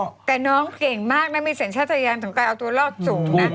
แต่น้องเก่งมากนะมีสัญชาติยานของการเอาตัวรอดสูงนะ